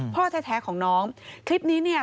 พ่อแท้ของน้องคลิปนี้เนี่ย